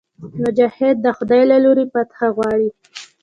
مجاهد د خدای له لورې فتحه غواړي.